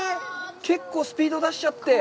結構スピード出しちゃって。